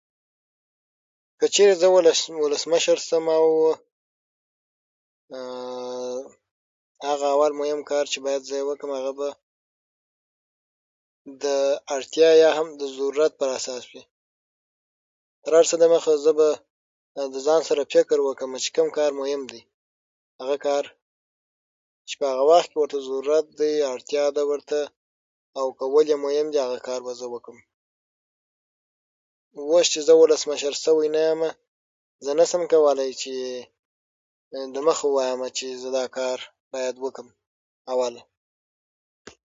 که چېرې زه ولسمشر شم، نو هغه لومړی او مهم کار به چې زه یې کوم، د اړتیا او ضرورت پر اساس وي. تر هر څه دمخه به له ځان سره فکر وکړم چې کوم کار مهم دی؛ هغه کار چې په هغه وخت کې ورته اړتیا او ضرورت وي او کول یې ضرور وي، هغه به وکړم. اوس چې لا ولسمشر شوی نه یم، دا نشم ویلای چې زه باید کوم کار لومړی وکړم.